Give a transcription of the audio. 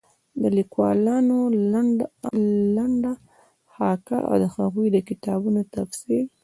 د ليکوالانو لنډه خاکه او د هغوی د کتابونو تفصيل